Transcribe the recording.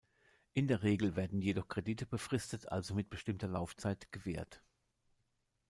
In der Regel werden jedoch Kredite befristet, also mit „bestimmter Laufzeit“, gewährt.